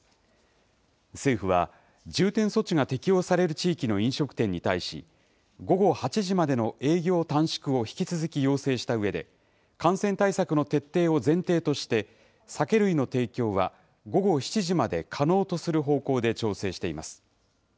政府は、重点措置が適用される地域の飲食店に対し、午後８時までの営業短縮を引き続き要請したうえで、感染対策の徹底を前提として、酒類の提供は午後７時まで可能とする方向で調整しています。